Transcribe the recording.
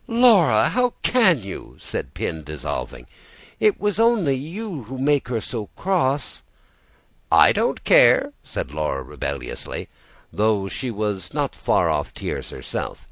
"Laura, how can you?" said Pin, dissolving. "It's only you who make her so cross." "I don't care," said Laura rebelliously, though she was not far off tears herself.